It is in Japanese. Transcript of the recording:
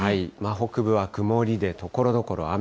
北部は曇りでところどころ雨。